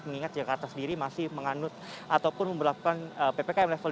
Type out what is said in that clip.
mengingat jakarta sendiri masih menganut ataupun memperlakukan ppkm level tiga